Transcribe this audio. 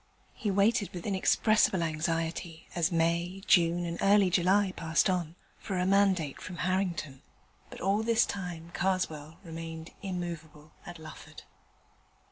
He waited with inexpressible anxiety as May, June, and early July passed on, for a mandate from Harrington. But all this time Karswell remained immovable at Lufford.